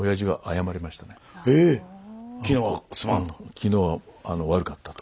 昨日は悪かったと。